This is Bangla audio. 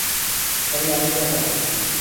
পারলে আমি তোমার হাত ধরতাম।